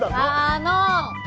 あの！